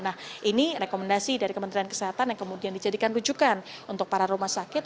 nah ini rekomendasi dari kementerian kesehatan yang kemudian dijadikan rujukan untuk para rumah sakit